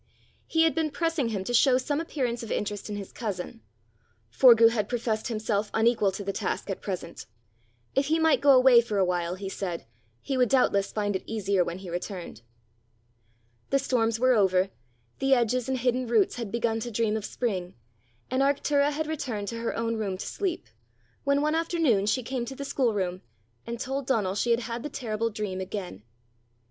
He had been pressing him to show some appearance of interest in his cousin; Forgue had professed himself unequal to the task at present: if he might go away for a while, he said, he would doubtless find it easier when he returned. The storms were over, the hedges and hidden roots had begun to dream of spring, and Arctura had returned to her own room to sleep, when one afternoon she came to the schoolroom and told Donal she had had the terrible dream again.